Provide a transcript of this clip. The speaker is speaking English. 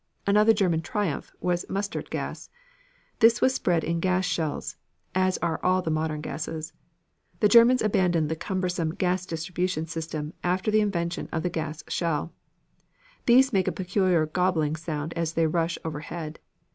Another German "triumph" was mustard gas. This is spread in gas shells, as are all the modern gases. The Germans abandoned the cumbersome gas distributing system after the invention of the gas shell. These make a peculiar gobbling sound as they rush overhead.